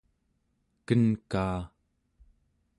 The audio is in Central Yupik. kenkaa